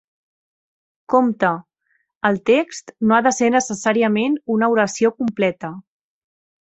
Compte: el text no ha de ser necessàriament una oració completa.